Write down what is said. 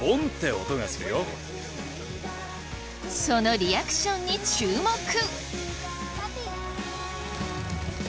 そのリアクションに注目！